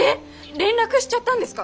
連絡しちゃったんですか？